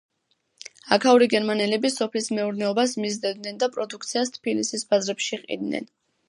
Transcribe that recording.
აქაური გერმანელები სოფლის მეურნეობას მისდევდნენ და პროდუქციას თბილისის ბაზრებში ჰყიდნენ.